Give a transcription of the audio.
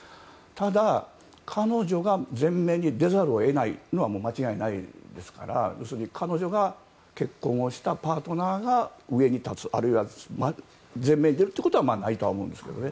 ただ、彼女が前面に出ざるを得ないのは間違いないですから彼女が結婚をしたパートナーが上に立つ、あるいは前面に出るということはないとは思うんですけど。